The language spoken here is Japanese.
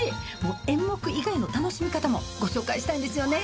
演目以外の楽しみ方もご紹介したいんですよね。